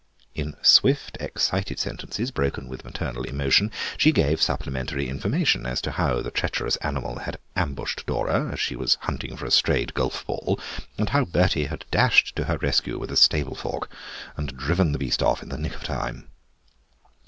In swift, excited sentences, broken with maternal emotion, she gave supplementary information as to how the treacherous animal had ambushed Dora as she was hunting for a strayed golf ball, and how Bertie had dashed to her rescue with a stable fork and driven the beast off in the nick of time.